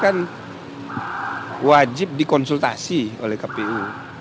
ya kalau dpr itu kan wajib dikonsultasi oleh kpu